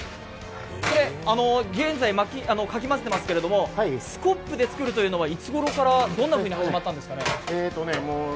これ、現在、かき混ぜてますけれどスコップで作るというのはいつごろから、どんなふうに始まったんですかね？